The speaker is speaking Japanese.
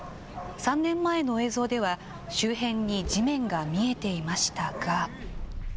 ３年前の映像では周辺に地面が見えていましたが。